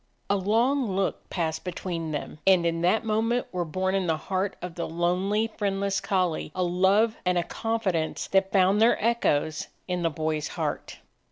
A long look passed between them, and in that moment were born in the heart of the lonely, friendless collie a love and a confidence that found their echoes in the boy's heart.